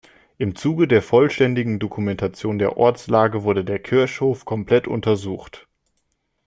Im Zuge der vollständigen Dokumentation der Ortslage wurde der Kirchhof komplett untersucht.